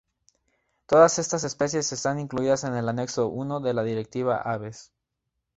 Todas estas especies están incluidas en el Anexo I de la Directiva Aves.